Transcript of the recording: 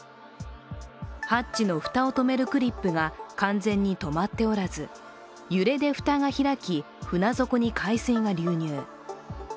ハッチの蓋を止めるクリップが完全にとまっておらず、船底に海水が流入。